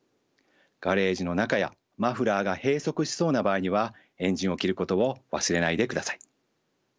ガレージの中やマフラーが閉塞しそうな場合にはエンジンを切ることを忘れないでください。